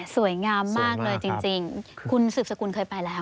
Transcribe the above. สวยงามมากเลยจริงคุณสืบสกุลเคยไปแล้ว